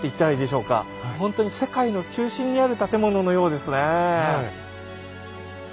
ほんとに世界の中心にある建物のようですね。